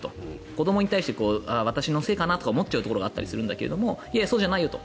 子どもに対して私のせいかなと思っちゃうところがあるんだけどいやいやいやそうじゃないよと。